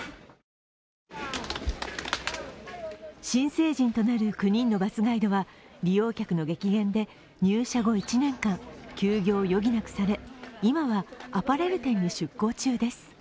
新成人となる９人のバスガイドは利用客の激減で入社後１年間、休業を余儀なくされ今はアパレル店に出向中です。